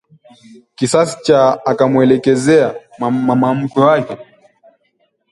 Kisasi cha akamwelekezea mama mkwe wake